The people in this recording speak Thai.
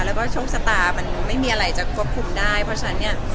แล้วก็โชคชะตามันไม่มีอะไรจะควบคุมได้เพราะฉะนั้นเนี่ย